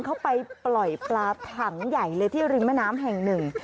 เขาไปปล่อยปลาถังใหญ่เลยที่ริมแม่น้ำแห่งหนึ่ง